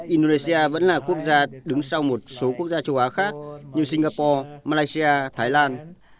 indonesia vẫn là quốc gia đứng sau một số quốc gia châu á khác như singapore malaysia thái lan